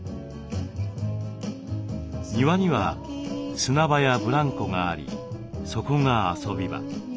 庭には砂場やブランコがありそこが遊び場。